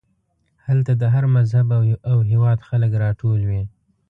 هلته د هر مذهب او هېواد خلک راټول وي.